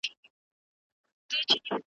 چي وعدې یې د کوثر د جام کولې `